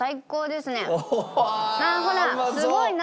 すごい生！